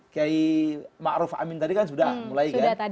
kayak ma'ruf amin tadi kan sudah mulai kan